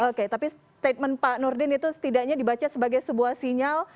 oke tapi statement pak nurdin itu setidaknya dibaca sebagai sebuah sinyal